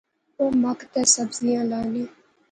اوہ مک تے سبزیاں لانے